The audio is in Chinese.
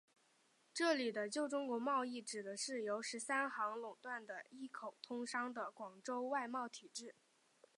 这里的旧中国贸易指的是由十三行垄断的一口通商的广州外贸体制。